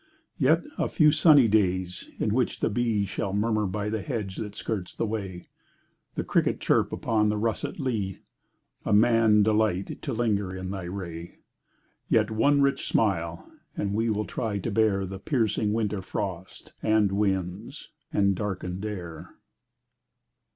Yet a few sunny days, in which the bee Shall murmur by the hedge that skirts the way, The cricket chirp upon the russet lea, And man delight to linger in thy ray. Yet one rich smile, and we will try to bear The piercing winter frost, and winds, and darkened air.